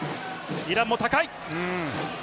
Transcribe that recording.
イランも高い。